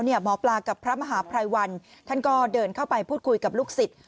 หมอปลากับพระมหาภัยวันท่านก็เดินเข้าไปพูดคุยกับลูกศิษย์